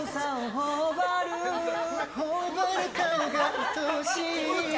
頬張る顔が愛おしい。